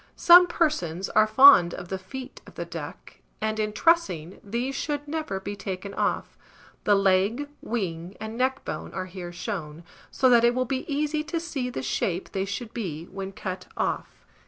Some persons are fond of the feet of the duck; and, in trussing, these should never be taken off. The leg, wing, and neckbone are here shown; so that it will be easy to see the shape they should be when cut off.